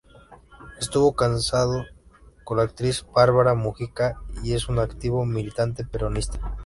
Estuvo casado con la actriz Bárbara Mujica y es un activo militante peronista.